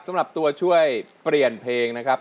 สำหรับตัวช่วยเปลี่ยนเพลงนะครับ